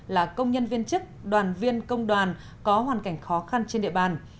là công nhân viên chức đoàn viên công đoàn có hoàn cảnh khó khăn trên địa bàn